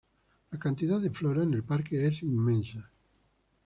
La cantidad de flora en el parque es inmensa.